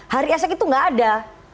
hari esok itu nggak ada